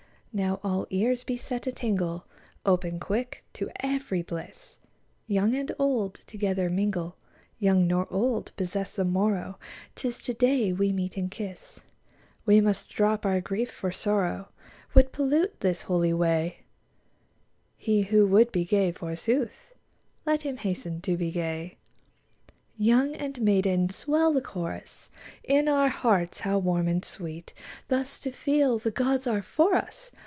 73 Now all ears be set a tingle, Open, quick to every bliss 1 Young and old together mingle, Young nor old possess the morrow, 'Tis to day we meet and kiss ; We must drop our grief, for sorrow Would pollute this holy way : He who would be gay, forsooth, Let him hasten to be gay. Youth and maiden, swell the chorus 1 In our hearts how warm and sweet Thus to feel the gods are for us.